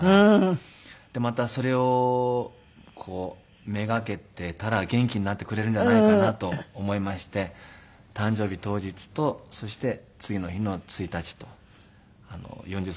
でまたそれをこう目がけていたら元気になってくれるんじゃないかなと思いまして誕生日当日とそして次の日の１日と。